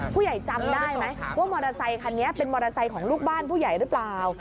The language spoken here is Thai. ผู้ใหญ่จำได้ไหมว่ามอเตอร์ไซคันนี้เป็นมอเตอร์ไซค์ของลูกบ้านผู้ใหญ่หรือเปล่า